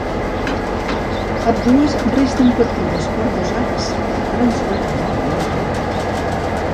Ambdues resten partides per dos arcs transversals.